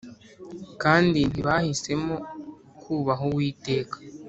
Kandi ntibahisemo kubaha Uwiteka